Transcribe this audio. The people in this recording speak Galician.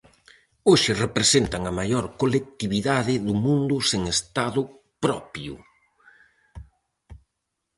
Hoxe representan a maior colectividade do mundo sen Estado propio.